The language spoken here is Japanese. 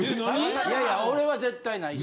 いやいや俺は絶対ないし。